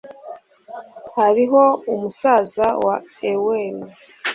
hariho umusaza wa ewell